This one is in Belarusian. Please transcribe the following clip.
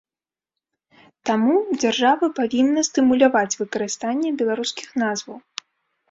Таму дзяржава павінна стымуляваць выкарыстанне беларускіх назваў.